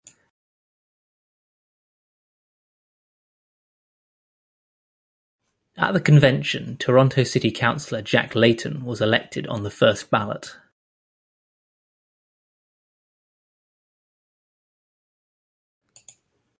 At the convention, Toronto city councillor Jack Layton was elected on the first ballot.